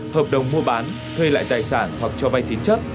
hợp đồng mua bán thuê lại tài sản hoặc cho vai tín chất